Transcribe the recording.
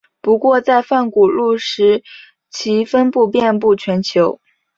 不过在泛古陆时其分布遍布全球。